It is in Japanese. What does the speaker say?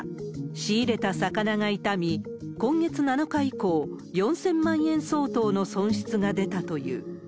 仕入れた魚が傷み、今月７日以降、４０００万円相当の損失が出たという。